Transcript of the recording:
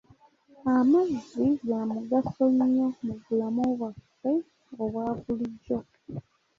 Amazzi ga mugaso nnyo mu bulamu bwaffe obwa bulijjo.